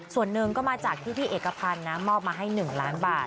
ส่วนหนึ่งคือจากพี่เอกพันธ์มอบมาให้๑ล้านบาท